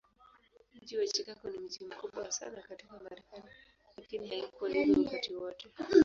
Mji wa Chicago ni mji mkubwa sana katika Marekani, lakini haikuwa hivyo wakati wote.